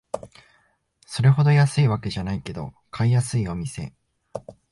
それほど安いわけじゃないけど買いやすいお店